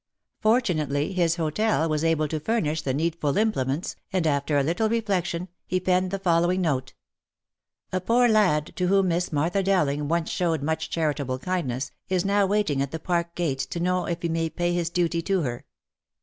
Fortu nately his hotel was able to furnish the needful implements, and after a little reflection, he penned the following note : u A poor lad, to whom Miss Martha Dowling once showed much charitable kindness, is now waiting at the park gates, to know if he may pay his duty to her.